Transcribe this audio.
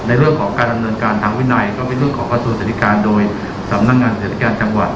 ในเรื่องของการดำเนินการทางวินัยก็เป็นเรื่องของกระทรวงศึกษาธิการโดยสำนักงานเศรษฐกิจการจังหวัด